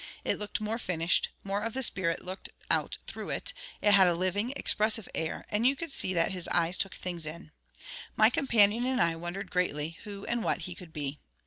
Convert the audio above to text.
It looked more finished; more of the spirit looked out through it; it had a living, expressive air, and you could see that his eyes took things in. My companion and I wondered greatly who and what he could be.